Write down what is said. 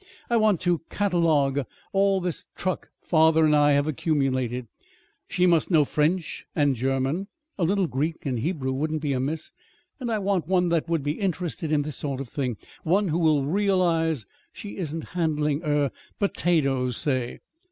I want to catalogue all this truck father and I have accumulated. She must know French and German a little Greek and Hebrew wouldn't be amiss. And I want one that would be interested in this sort of thing one who will realize she isn't handling er potatoes, say.